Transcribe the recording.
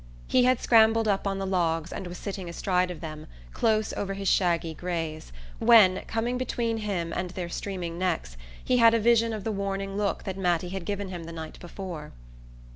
He had scrambled up on the logs, and was sitting astride of them, close over his shaggy grays, when, coming between him and their streaming necks, he had a vision of the warning look that Mattie had given him the night before.